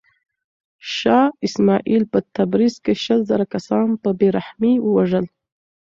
شاه اسماعیل په تبریز کې شل زره کسان په بې رحمۍ ووژل.